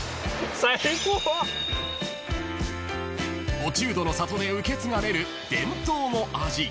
［落人の里で受け継がれる伝統の味］